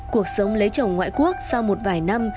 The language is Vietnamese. cuộc sống lấy chồng ngoại quốc sau một vài năm